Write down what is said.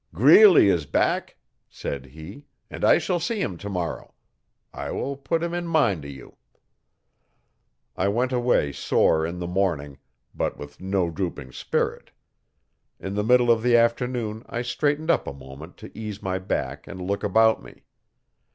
'Greeley is back,' said he, 'and I shall see him tomorrow. I will put him in mind o'you.' I went away sore in the morning, but with no drooping spirit. In the middle of the afternoon I straightened up a moment to ease my back and look about me.